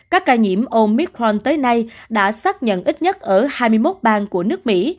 các ca nhiễm omicron tới nay đã xác nhận ít nhất ở hai mươi một bang của nước mỹ